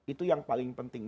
itu yang paling penting